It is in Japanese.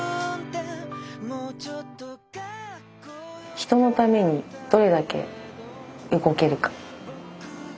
人のためにどれだけ動けるか。